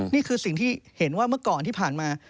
นี่คือสิ่งที่เห็นว่าเมื่อก่อนที่ผ่านมา